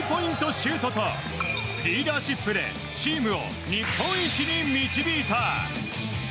シュートとリーダーシップでチームを日本一に導いた。